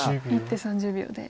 １手３０秒で。